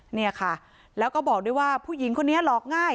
เนี่ยค่ะแล้วก็บอกด้วยว่าผู้หญิงคนนี้หลอกง่าย